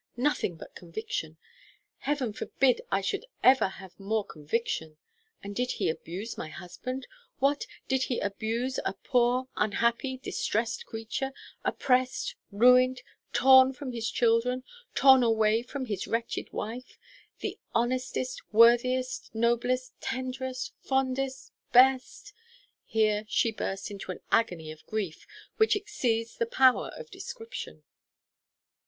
Nothing but conviction! Heaven forbid I should ever have more conviction! And did he abuse my husband? what? did he abuse a poor, unhappy, distrest creature, opprest, ruined, torn from his children, torn away from his wretched wife; the honestest, worthiest, noblest, tenderest, fondest, best " Here she burst into an agony of grief, which exceeds the power of description.